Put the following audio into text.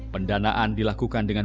pendanaan dilakukan dengan